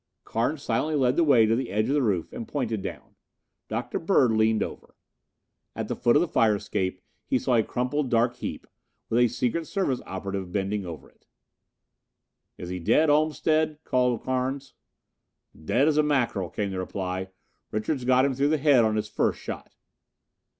Carnes silently led the way to the edge of the roof and pointed down. Dr. Bird leaned over. At the foot of the fire escape he saw a crumpled dark heap, with a secret service operative bending over it. "Is he dead, Olmstead?" called Carnes. "Dead as a mackerel," came the reply. "Richards got him through the head on his first shot."